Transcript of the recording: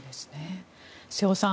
瀬尾さん